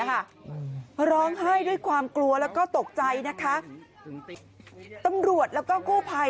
ร้องไห้ด้วยความกลัวแล้วก็ตกใจนะคะตำรวจแล้วก็กู้ภัย